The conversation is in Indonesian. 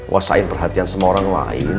kuasain perhatian semua orang lain